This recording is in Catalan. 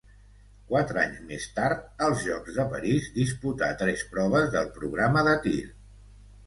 Quatre anys més tard, als Jocs de París, disputà tres proves del programa de tir.